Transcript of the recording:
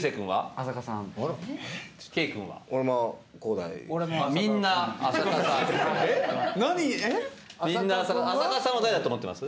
浅香さんは誰だと思ってます？